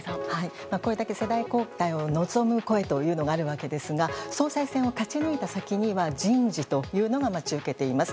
これだけ世代交代を望む声というのがあるわけですが総裁選を勝ち抜いた先には人事が待ち受けています。